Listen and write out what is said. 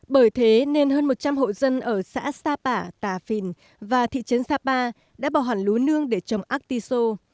bởi thế nên hơn một trăm linh hộ dân ở xã sapa tà phìn và thị trấn sapa đã bỏ hòn lúa nương để trồng artiso